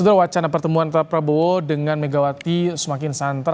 sebenarnya wacana pertemuan antara prabowo dengan megawati semakin santer